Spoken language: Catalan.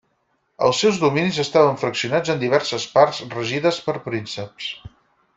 Els seus dominis estaven fraccionats en diverses parts regides per prínceps.